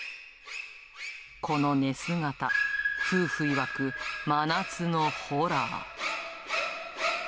この寝姿、夫婦いわく、真夏のホラー。